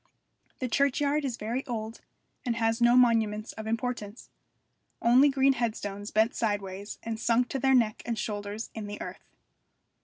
The churchyard is very old, and has no monuments of importance: only green headstones bent sideways and sunk to their neck and shoulders in the earth.